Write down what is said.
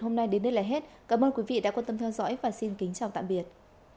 hôm nay đến đây là hết cảm ơn quý vị đã quan tâm theo dõi và xin kính chào tạm biệt